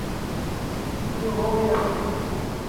جو ہو گیا سو ہو گیا